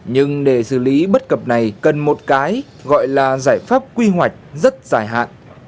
nhưng để xử lý bất cập này cần một cái gọi là giải pháp quy hoạch rất dài hạn